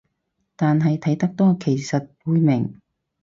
但係睇得多其實會明